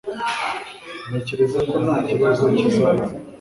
Ntekereza ko nta kibazo kizabaho